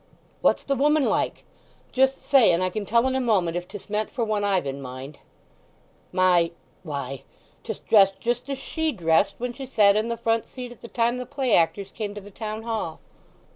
"What's the woman like? Just say, and I can tell in a moment if 'tis meant for one I've in mind." "My—why—'tis dressed just as she was dressed when she sat in the front seat at the time the play actors came to the Town Hall!"